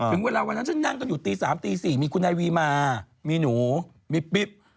ถึงเวลาวันนั้นฉันนั่งกันอยู่ตี๓ตี๔มีคุณนายวีมามีหนูมีปิ๊บ